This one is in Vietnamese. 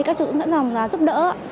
các chú cũng dẫn dòng giúp đỡ